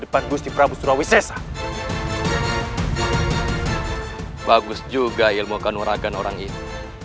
bagus juga ilmu kanuragan orang ini